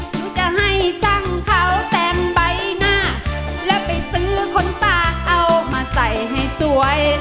หนูจะให้จังเขาเต็มใบหน้าและไปซื้อคนตาเอามาใส่ให้สวย